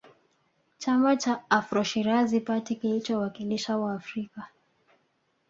Chama cha AfroShirazi party kilichowakilisha Waafrika